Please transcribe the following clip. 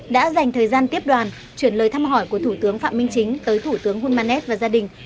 đã dành thời gian tiếp đoàn chuyển lời thăm hỏi của thủ tướng phạm minh chính tới thủ tướng hulmanet và gia đình